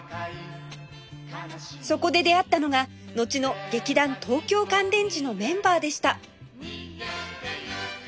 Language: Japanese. そこで出会ったのがのちの劇団東京乾電池のメンバーでした